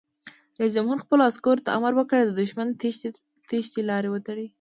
رئیس جمهور خپلو عسکرو ته امر وکړ؛ د دښمن د تیښتې لارې وتړئ!